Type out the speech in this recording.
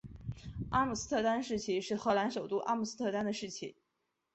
阿姆斯特丹市旗是荷兰首都阿姆斯特丹的市旗。